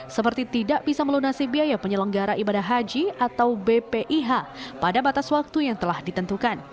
seperti tidak bisa melunasi biaya penyelenggara ibadah haji atau bpih pada batas waktu yang telah ditentukan